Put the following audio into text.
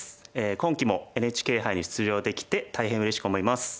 今期もＮＨＫ杯に出場できて大変うれしく思います。